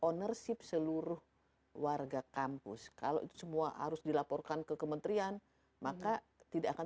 ownership seluruh warga kampus kalau itu semua harus dilaporkan ke kementerian maka tidak akan